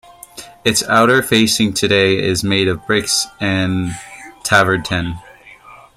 Its outer facing today is made of bricks and travertine.